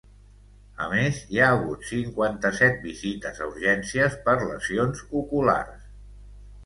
A més hi ha hagut cinquanta-set visites a urgències per lesions oculars.